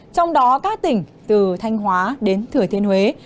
trong đó các tỉnh từ thanh hóa đến thừa thiên huế